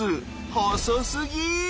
細すぎ！